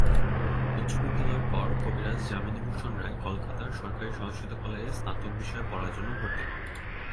উচ্চ বিদ্যালয়ের পর কবিরাজ যামিনী ভূষণ রায় কলকাতার সরকারি সংস্কৃত কলেজে স্নাতক বিষয়ে পড়ার জন্য ভর্তি হন।